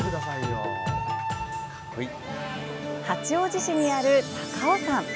八王子市にある高尾山。